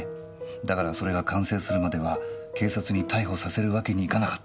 だからそれが完成するまでは警察に逮捕させるわけにいかなかった。